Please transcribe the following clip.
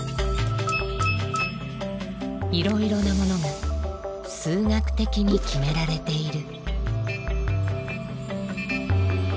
いろいろなものが数学的に決められている。